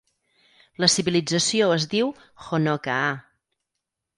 La civilització es diu Honoka'a.